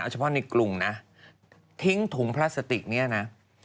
เฉพาะในกรุงนะทิ้งถุงพลาสติกเนี่ยนะ